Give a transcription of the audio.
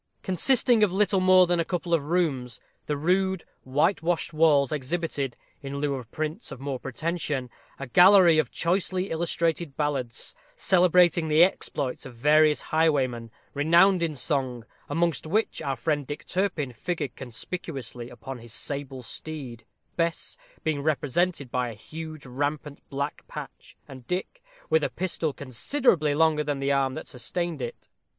Consisting of little more than a couple of rooms, the rude whitewashed walls exhibited, in lieu of prints of more pretension, a gallery of choicely illustrated ballads, celebrating the exploits of various highwaymen, renowned in song, amongst which our friend Dick Turpin figured conspicuously upon his sable steed, Bess being represented by a huge rampant black patch, and Dick, with a pistol considerably longer than the arm that sustained it.